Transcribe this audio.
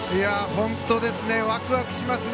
本当ですねワクワクしますね。